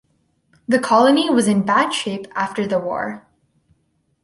The colony was in bad shape after the war.